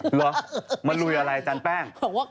เหรอมาลุยอะไรอาจารย์แป้ง